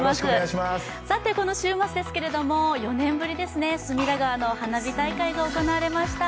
この週末ですけれども、４年ぶり、隅田川の花火大会が行われました。